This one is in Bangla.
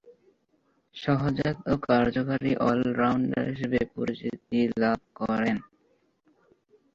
সহজাত ও কার্যকরী অল-রাউন্ডার হিসেবে পরিচিতি লাভ করেন।